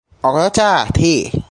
ออกแล้วจ้ะ ที่